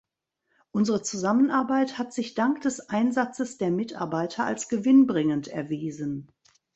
Unsere Zusammenarbeit hat sich dank des Einsatzes der Mitarbeiter als gewinnbringend erwiesen.